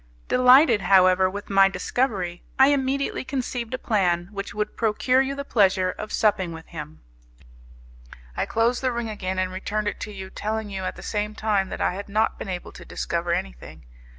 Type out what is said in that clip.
Delighted, however, with my discovery, I immediately conceived a plan which would procure you the pleasure of supping with him. I closed the ring again and returned it to you, telling you at the same time that I had not been able to discover anything.